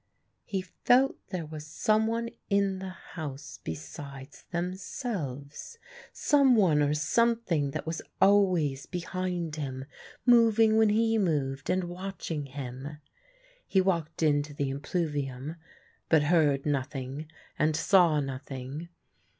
He felt there was someone in the house besides themselves, someone or something that was always behind him, moving when he moved and watching him. He walked into the impluvium, but heard nothing and saw nothing.